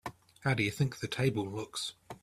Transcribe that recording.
How do you think the table looks?